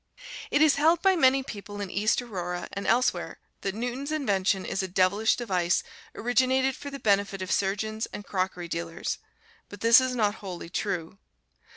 It is held by many people in East Aurora and elsewhere that Newton's invention is a devilish device originated for the benefit of surgeons and crockery dealers. But this is not wholly true.